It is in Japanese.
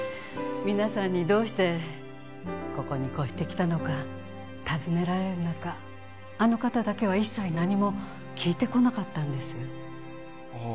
皆さんにどうしてここに越してきたのか尋ねられる中あの方だけは一切何も聞いてこなかったんですは